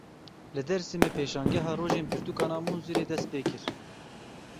Li Dêrsimê pêşangeha Rojên Pirtûkan a Mûnzûrê dest pê kir.